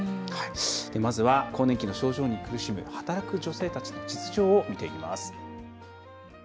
まずは、更年期の症状に苦しむ働く女性たちの実情を見ていきます。